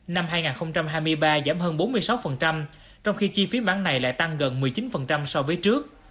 năm hai nghìn hai mươi ba giảm hơn bốn mươi sáu trong khi chi phí bán này lại tăng gần một mươi chín so với trước